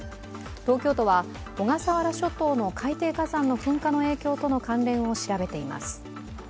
東京都は小笠原諸島の海底火山の噴火との影響との関連を調べています